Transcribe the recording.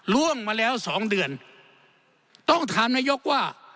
ล่วงมาแล้วสองเดือนต้องถามนายกว่า